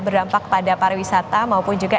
berdampak pada para wisata maupun juga